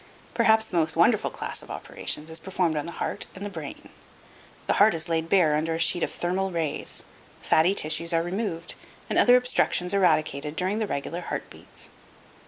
Perhaps the most wonderful class of operations is performed on the heart and the brain. The heart is laid bare under a sheet of thermal rays. Fatty tissues are removed and other obstructions eradicated during the regular heart beats.